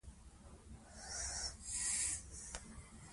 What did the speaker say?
موږکان د انسان د کولمو بکتریاوو ترلاسه کوي.